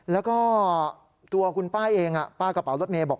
แล้วก็ตัวคุณป้าเองป้ากระเป๋ารถเมย์บอก